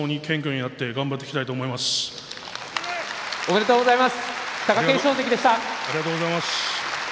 ありがとうございます。